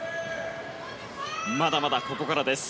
まだまだ、ここからです。